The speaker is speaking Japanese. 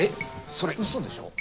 それウソでしょ？